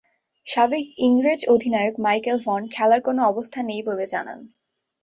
সাবেক ইংরেজ অধিনায়ক মাইকেল ভন খেলার কোন অবস্থা নেই বলে জানান।